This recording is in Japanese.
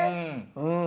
うん。